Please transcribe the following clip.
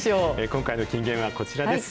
今回の金言はこちらです。